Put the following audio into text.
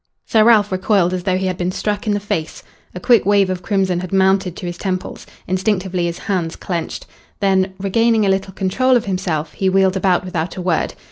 Sir Ralph recoiled as though he had been struck in the face. A quick wave of crimson had mounted to his temples. Instinctively his hands clenched. Then regaining a little control of himself he wheeled about without a word.